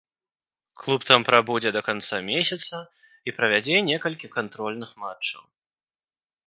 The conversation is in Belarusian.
Клуб там прабудзе да канца месяца і правядзе некалькі кантрольных матчаў.